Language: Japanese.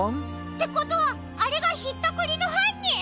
ってことはあれがひったくりのはんにん！？